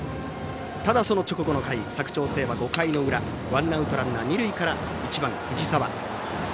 ただ、その直後の回佐久長聖は５回の裏ワンアウトランナー、二塁から１番、藤澤。